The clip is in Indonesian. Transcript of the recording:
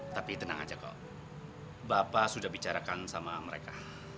tapi tenang aja kok bapak sudah bicarakan sama mereka